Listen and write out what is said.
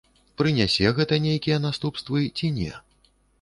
Прынясе гэта нейкія наступствы ці не.